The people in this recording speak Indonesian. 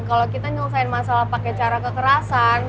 kalo kita nyelesain masalah pake cara kekerasan